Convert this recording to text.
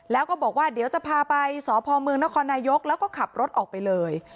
แล้วก็บอกว่าเดี๋ยวจะพาไปสพเมืองนครนายกแล้วก็ขับรถออกไปเลย